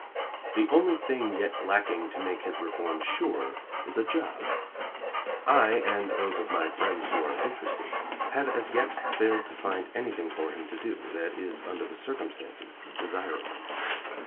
The only thing yet lacking to make his reform sure is a job. I, and those of my friends who are interested, have as yet failed to find anything for him to do that is, under the circumstances, desirable.